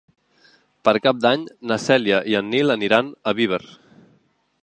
Per Cap d'Any na Cèlia i en Nil aniran a Viver.